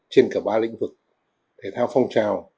trên cả ba lĩnh vực thể thao phong trào